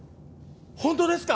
本当ですか！？